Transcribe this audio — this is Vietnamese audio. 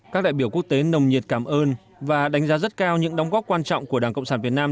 các đại biểu quốc tế nồng nhiệt cảm ơn và đánh giá rất cao những đóng góp quan trọng của đảng cộng sản việt nam